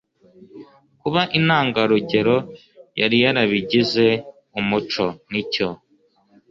kuba intangarugero yari yarabigize umuco nicyo